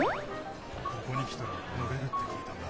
ここに来たら乗れるって聞いたんだ。